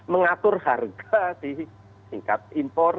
mengatur harga di tingkat impor